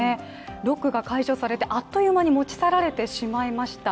ロックが解除されてあっという間に持ち去られてしまいました。